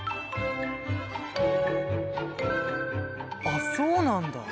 あっそうなんだ！